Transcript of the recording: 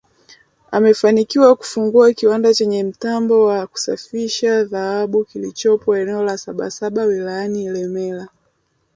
Amefanikiwa kufungua kiwanda chenye mtambo wa kusafishia dhahabu kilichopo eneo la Sabasaba wilayani Ilemela